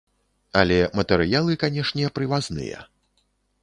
Але матэрыялы, канешне, прывазныя.